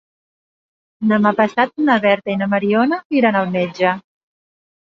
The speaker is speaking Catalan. Demà passat na Berta i na Mariona iran al metge.